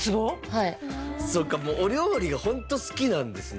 はいそっかもうお料理がホント好きなんですね